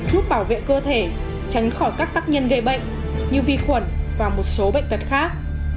thuốc bảo vệ cơ thể tránh khỏi các tác nhân gây bệnh như vi khuẩn và một số bệnh tật khác